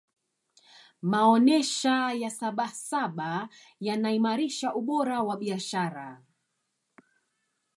maonesha ya sabasaba yanaimarisha ubora wa biashara